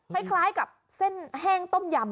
คล้ายกับเส้นแห้งต้มยำ